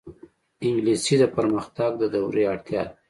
انګلیسي د پرمختګ د دورې اړتیا ده